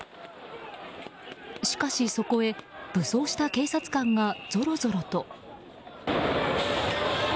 しかし、そこへ武装した警察官がぞろぞろと。